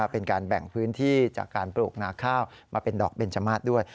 เป็นการแบ่งพื้นที่จากการปลูกนาข้าวมาเป็นดอกเบนจมาสด้วย